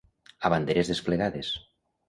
A banderes desplegades.